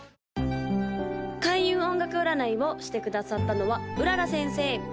・開運音楽占いをしてくださったのは麗先生